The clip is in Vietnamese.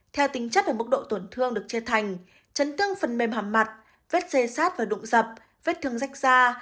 theo tính chất và mức độ tổn thương được chia thành chấn thương phần mềm hàm mặt vết xê sát và đụng dập vết thương rách da